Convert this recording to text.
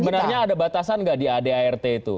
sebenarnya ada batasan nggak di adart itu